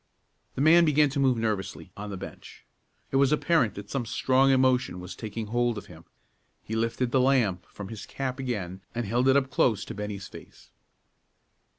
The man began to move, nervously, on the bench. It was apparent that some strong emotion was taking hold of him. He lifted the lamp from his cap again and held it up close to Bennie's face.